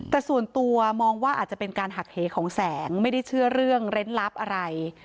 แต่ส่วนตัวมองว่าอาจจะเป็นการหักเหของแสงไม่ได้เชื่อเรื่องเล่นลับอะไร